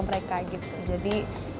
mereka gitu jadi